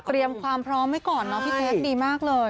เครึยมความพร้อมให้ก่อนเนาะพี่เจ๊ดดีมากเลย